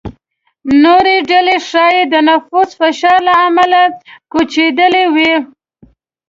نورې ډلې ښايي د نفوس فشار له امله کوچېدلې وي.